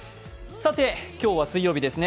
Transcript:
今日は水曜日ですね。